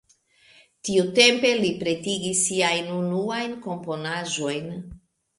Tiutempe li pretigis siajn unuajn komponaĵojn.